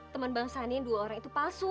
temen bang sani yang dua orang itu palsu